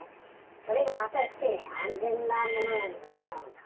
それが果たして安全なものなのかどうなのか。